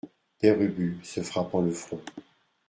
Père Ubu , se frappant le front.